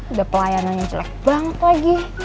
udah pelayanannya jelek banget lagi